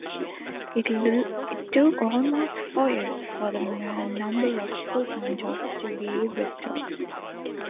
It took almost four years for the number of full-time jobs to be restored.